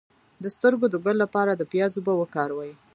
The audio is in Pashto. د سترګو د ګل لپاره د پیاز اوبه وکاروئ